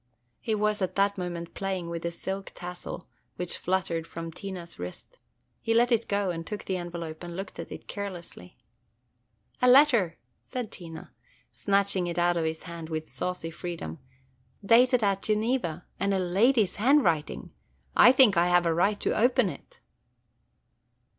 He was at that moment playing with a silk tassel which fluttered from Tina's wrist. He let it go, and took the envelope and looked at it carelessly. "A letter!" said Tina, snatching it out of his hand with saucy freedom, – "dated at Geneva, and a lady's handwriting! I think I have a right to open it!"